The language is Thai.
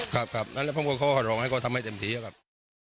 ครับครับนั่นผมก็ขอหารองให้ก็ทำให้เต็มทีครับ